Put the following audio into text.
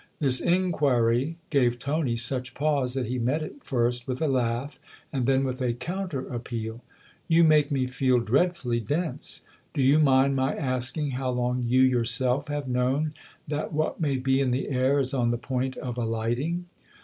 This inquiry gave Tony such pause that he met it first with a laugh and then with a counter appeal. " You make me feel dreadfully dense ! Do you mind my asking how long you yourself have known 168 THE OTHER HOUSE that what may be in the air is on the point of alighting